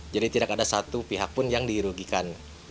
jadi tidak ada satu pihak pun yang dirugikan